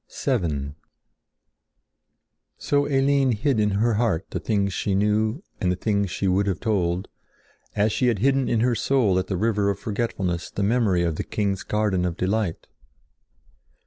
VII So Eline hid in her heart the things she knew and the things she would have told, as she had hidden in her soul at the river of forgetfulness the memory of the king's garden of delight.